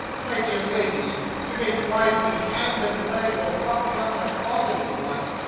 My dear ladies you may bind me hand and leg, or lock me up in a closet, if you like.